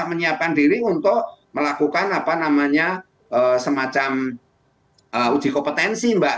menyiapkan diri untuk melakukan semacam uji kompetensi mbak